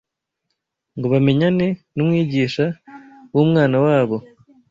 ngo bamenyane n’umwigisha w’umwana wabo,